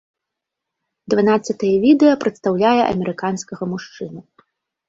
Дванаццатае відэа прадстаўляе амерыканскага мужчыну.